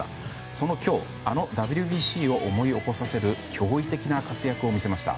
その今日、あのＷＢＣを思い起こさせる驚異的な活躍を見せました。